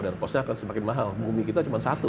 dan posnya akan semakin mahal bumi kita cuma satu